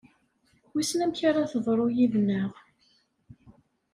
Wissen amek ara teḍru yid-neɣ?